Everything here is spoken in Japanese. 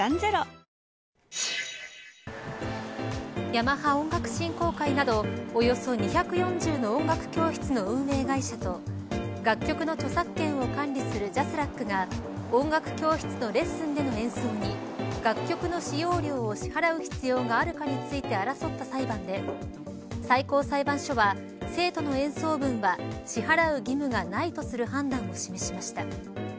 ヤマハ音楽振興会などおよそ２４０の音楽教室の運営会社と楽曲の著作権を管理するＪＡＳＲＡＣが音楽教室のレッスンでの演奏に楽曲の使用料を支払う必要があるかについて争った裁判で最高裁判所は生徒の演奏分は支払う義務がないとする判断を示しました。